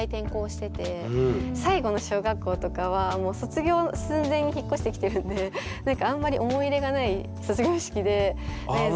最後の小学校とかはもう卒業寸前に引っ越してきてるんで何かあんまり思い入れがない卒業式で。